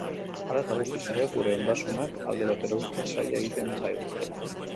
Hala eta guztiz ere, gure ondasunak alde batera uztea zaila egiten zaigu.